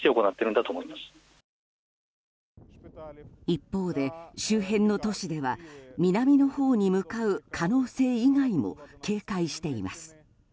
一方で、周辺の都市では南のほうに向かう可能性以外も警戒しています。